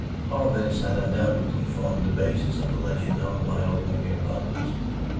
All this had undoubtedly formed the basis of the legend known by old Maria Robbins.